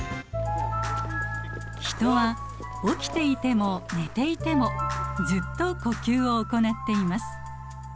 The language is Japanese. ヒトは起きていても寝ていてもずっと呼吸を行っています。